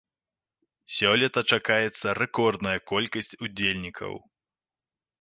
Сёлета чакаецца рэкордная колькасць удзельнікаў.